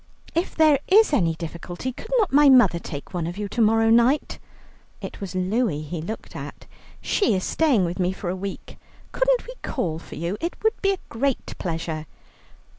"If there is any difficulty, could not my mother take one of you to morrow night?" (It was Louie he looked at.) "She is staying with me for a week. Couldn't we call for you? It would be a great pleasure."